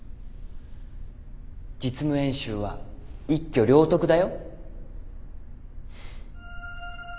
実務演習は一挙両得だよ。